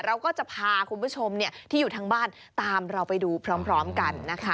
เราก็จะพาคุณผู้ชมที่อยู่ทางบ้านตามเราไปดูพร้อมกันนะคะ